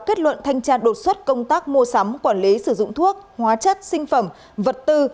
kết luận thanh tra đột xuất công tác mua sắm quản lý sử dụng thuốc hóa chất sinh phẩm vật tư